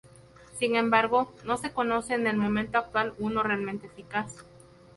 Sin embargo, no se conoce en el momento actual uno realmente eficaz.